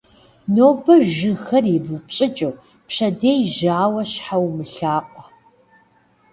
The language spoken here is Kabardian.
Нобэ жыгхэр ибупщӀыкӀу, пщэдей жьауэ щхьа умылъаӀуэ.